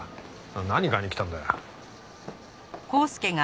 何買いに来たんだよ。